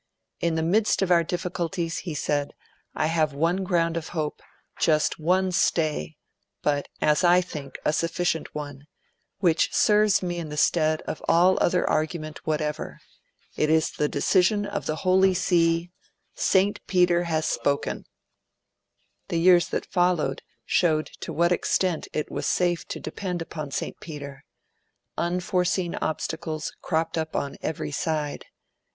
'In the midst of our difficulties, he said, 'I have one ground of hope, just one stay, but, as I think, a sufficient one, which serves me in the stead of all other argument whatever. It is the decision of the Holy See; St. Peter has spoken.' The years that followed showed to what extent it was safe to depend upon St. Peter. Unforeseen obstacles cropped up on every side.